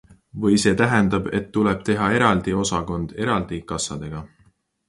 Või see tähendab, et tuleb teha eraldi osakond eraldi kassadega?